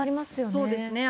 そうですね。